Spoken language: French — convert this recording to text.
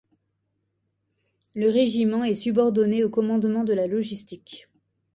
Le régiment est subordonné au commandement de la logistique.